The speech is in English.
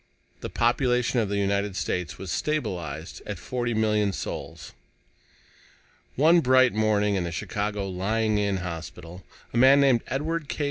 The population of the United States was stabilized at forty million souls. One bright morning in the Chicago Lying in Hospital, a man named Edward K.